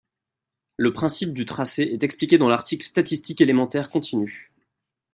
Le principe du tracé est expliqué dans l'article statistiques élémentaires continues.